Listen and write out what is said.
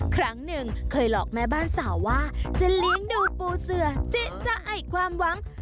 ครั้งหนึ่งเคยหลอกแม่บ้านสาวว่าจะเลี้ยงดูปูเสือเจ๊จะให้ความหวัง